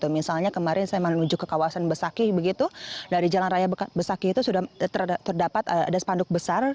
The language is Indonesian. misalnya kemarin saya menuju ke kawasan besakih begitu dari jalan raya besakih itu sudah terdapat ada spanduk besar